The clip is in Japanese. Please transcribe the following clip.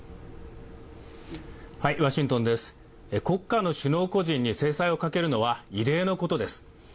国家の首脳個人に制裁をかけるのは異例のことです。